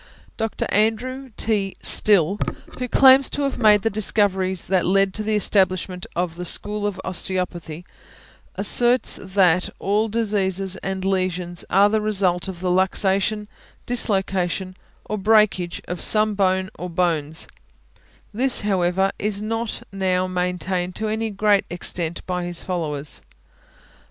Dr. Andrew T. Still, who claims to have made the discoveries that led to the establishment of the school of Osteopathy, asserts that all diseases and lesions are the result of the luxation, dislocation, or breakage of some bone or bones; this, however, is not now maintained to any great extent by his followers.